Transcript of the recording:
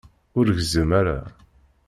Ur gezzem ara.